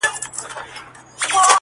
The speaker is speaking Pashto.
چي کور ودان، د ورور ودان.